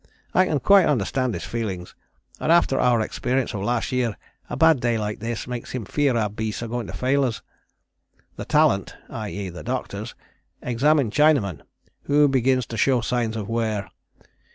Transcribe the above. I can quite understand his feelings, and after our experience of last year a bad day like this makes him fear our beasts are going to fail us. The Talent [i.e. the doctors] examined Chinaman, who begins to show signs of wear.